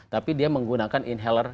tapi dia menggunakan inhaler